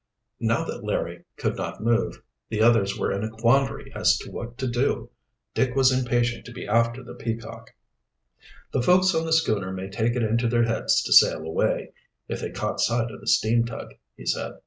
Now that Larry could not move, the others were in a quandary as to what to do. Dick was impatient to be after the Peacock. "The folks on the schooner may take it into their heads to sail away, if they caught sight of the steam tug," he said.